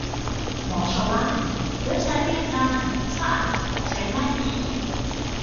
หมอชาวบ้าน เว็บไซต์เรียบง่าย สะอาด ใช้ง่ายดี